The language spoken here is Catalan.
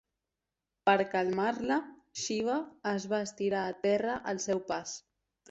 Per calmar-la, Xiva es va estirar a terra al seu pas.